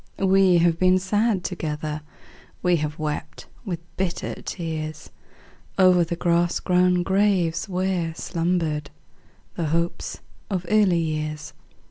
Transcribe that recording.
We have been sad together; We have wept with bitter tears O'er the grass grown graves where slumbered The hopes of early years.